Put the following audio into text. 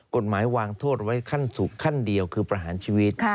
กฎหมายวางโทษไว้ขั้นสุขขั้นเดียวคือประหารชีวิต